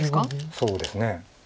そうですね。